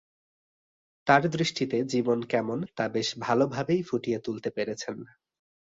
তার দৃষ্টিতে জীবন কেমন তা বেশ ভালোভাবেই ফুটিয়ে তুলতে পেরেছেন।